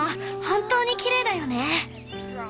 本当にきれいだよね。